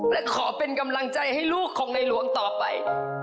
และขอเป็นกำลังใจให้ลูกของในหลวงต่อไป